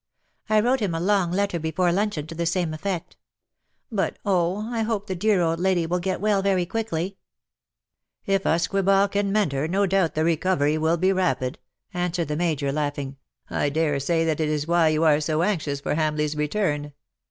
I wrote him a long letter before luncheon to the same effect. But_, oh, I hope the dear old lady will get well very quickly \"'' If usquebaugh can mend her, no doubt the recovery will be rapid/'' answered the Major, laugh ing. " I dare say that is why you are so anxious for Hamleigh^s return.